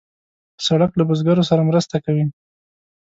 سړک له بزګرو سره مرسته کوي.